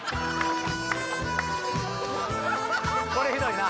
これひどいな。